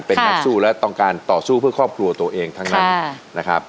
เป็นนักสู้และต้องการต่อสู้เพื่อครอบครัวตัวเองทั้งนั้นนะครับ